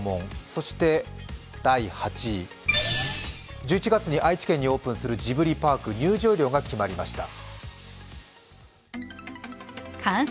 そして第８位、１１月に愛知県にオープンするジブリパーク入場料が決まりました。